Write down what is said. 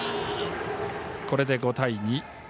これで５対２。